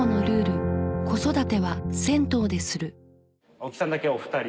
青木さんだけお２人。